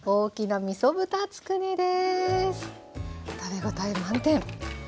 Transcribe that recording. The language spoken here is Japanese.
食べ応え満点！